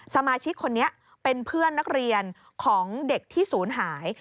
สมาชิกคนนี้เป็นเพื่อนนักเรียนของเด็กที่ศูนย์หาย